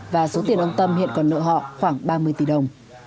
và số tiền ông tâm hiện còn nợ họ khoảng ba mươi tỷ đồng